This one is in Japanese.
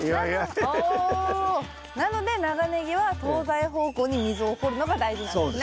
おなので長ネギは東西方向に溝を掘るのが大事なんですね。